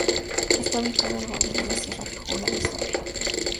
Está ubicado al borde de la sierra de Jura de Suabia.